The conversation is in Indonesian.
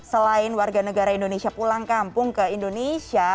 selain warga negara indonesia pulang kampung ke indonesia